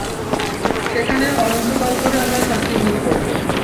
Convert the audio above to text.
সেখানে অনন্তকাল ধরে আমরা শাস্তি ভোগ করব!